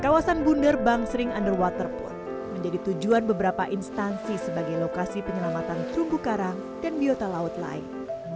kawasan bunder bangsering underwater pun menjadi tujuan beberapa instansi sebagai lokasi penyelamatan terumbu karang dan biota laut lain